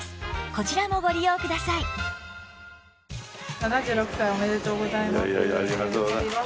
７６歳おめでとうございます。